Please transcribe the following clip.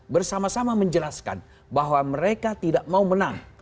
bersama sama menjelaskan bahwa mereka tidak mau menang